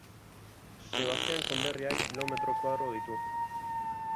Sebastian konderriak kilometro koadro ditu.